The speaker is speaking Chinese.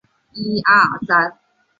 闽安协台衙门的历史年代为清。